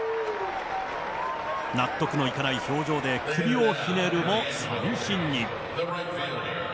納得のいかない表情で首をひねるも三振に。